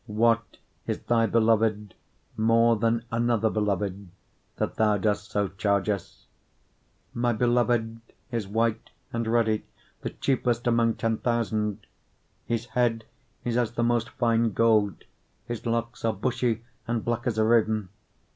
what is thy beloved more than another beloved, that thou dost so charge us? 5:10 My beloved is white and ruddy, the chiefest among ten thousand. 5:11 His head is as the most fine gold, his locks are bushy, and black as a raven.